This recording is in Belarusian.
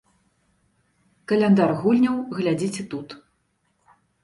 Каляндар гульняў глядзіце тут.